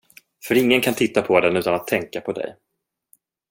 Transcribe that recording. För ingen kan titta på den utan att tänka på dig.